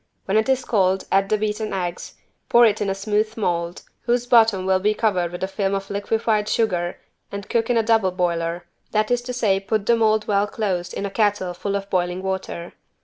When it is cold add the beaten eggs, pour it in a smooth mold, whose bottom will be covered with a film of liquified sugar and cook in a double boiler, that is to say put the mold well closed in a kettle full of boiling water.